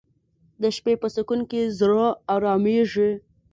د شپې په سکون کې زړه آرامیږي